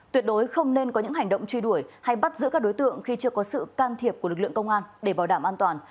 tuyệt đối không nên có những hành động truy đuổi hay bắt giữ các đối tượng khi chưa có sự can thiệp của lực lượng công an để bảo đảm an toàn